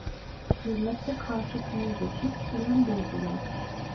Hürmetle karşısına geçip selam durdular…